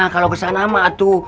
kalo kesana mah atu